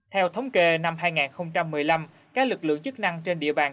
theo thống kê năm hai nghìn một mươi năm các lực lượng chức năng trên địa bàn